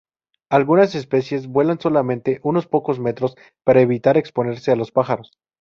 Algunas especies vuelan solamente unos pocos metros para evitar exponerse a los pájaros.